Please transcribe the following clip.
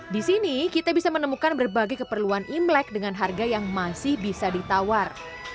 di sini kita bisa menemukan berbagai keperluan imlek dengan harga yang masih bisa ditawar